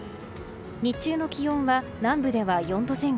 日中の気温は南部では４度前後。